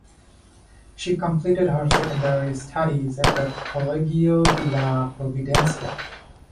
She completed her secondary studies at the Colegio de la Providencia.